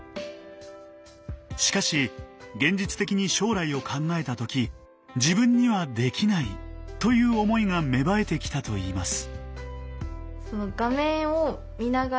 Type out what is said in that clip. しかし現実的に将来を考えた時自分には「できない」という思いが芽生えてきたといいます。